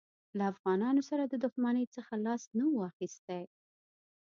له افغانانو سره د دښمنۍ څخه لاس نه وو اخیستی.